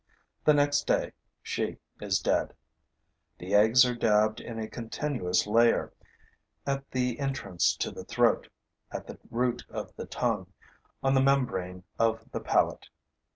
The next day, she is dead. The eggs are dabbed in a continuous layer, at the entrance to the throat, at the root of the tongue, on the membrane of the palate.